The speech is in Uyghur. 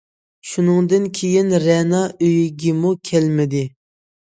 !- شۇنىڭدىن كېيىن رەنا ئۆيگىمۇ كەلمىدى.